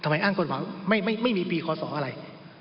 อ้างกฎหมายไม่มีปีคศอะไร